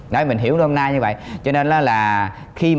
đó là mình hiểu hôm nay như vậy